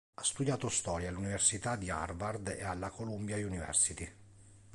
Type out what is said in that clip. Ha studiato storia all'Università di Harvard e alla Columbia University.